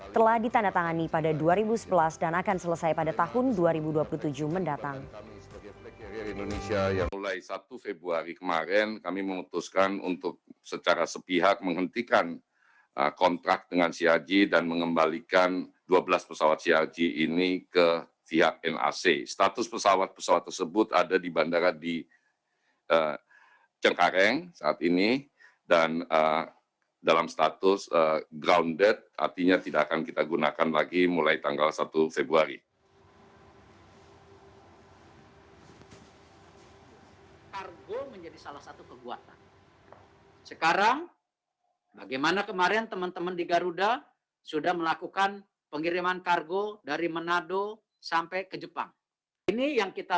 telah ditandatangani pada dua ribu sebelas dan akan selesai pada tahun dua ribu dua puluh tujuh mendatang